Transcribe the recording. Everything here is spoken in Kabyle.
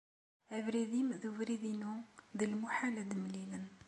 Abrid-im d ubrid-inu, d lmuḥal ad mlilen.